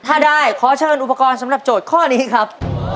ถ้าได้ขอเชิญอุปกรณ์สำหรับโจทย์ข้อนี้ครับ